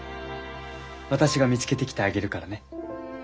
私が見つけてきてあげるからね。